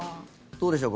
どうでしょう？